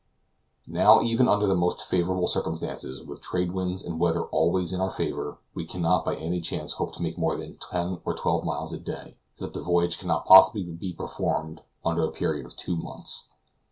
Now even under the most favorable circumstances, with trade winds and weather always in our favor, we can not by any chance hope to make more than ten or twelve miles a day, so that the voyage cannot possibly be performed under a period of two months.